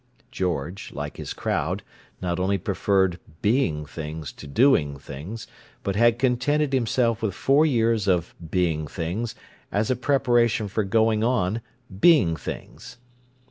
George, like his "crowd," not only preferred "being things" to "doing things," but had contented himself with four years of "being things" as a preparation for going on "being things."